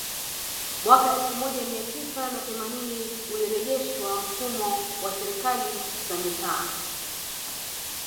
Mwaka elfu moja mia tisa na themanini ulirejeshwa mfumo wa Serikali za Mitaa